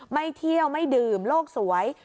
ไม่เที่ยวไม่ดื่มโลกสวย